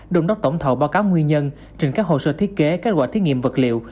đồng đốc tổng thầu báo cáo nguyên nhân trình các hồ sơ thiết kế kết quả thiết nghiệm vật liệu